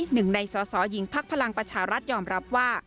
หนึ่งในสอสอหญิงพักพลังประชารัฐยอมรับว่า